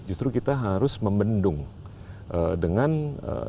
justru kita harus membendung dengan ee